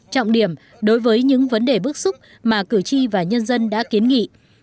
trọng điểm đối với những vấn đề bước xúc mà cử tri và nhân dân đã kiến nghị